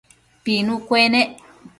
Pinu cuenec